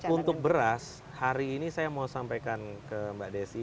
untuk beras hari ini saya mau sampaikan ke mbak desi